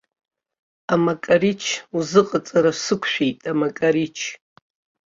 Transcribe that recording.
Амакарич узыҟаҵара сықәшәеит, амакарич!